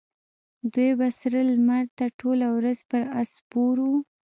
دی به سره لمر ته ټوله ورځ پر آس سپور و.